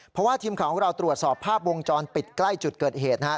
เพราะว่าทีมข่าวของเราตรวจสอบภาพวงจรปิดใกล้จุดเกิดเหตุนะครับ